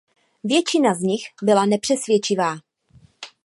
Většina z nich byla nepřesvědčivá.